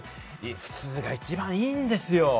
普通が一番いいんですよ。